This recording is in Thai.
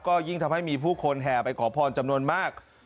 ก็ยิ่งทำให้มีผู้คนแห่ไปขอพรจำนวนมาก